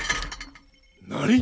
何！？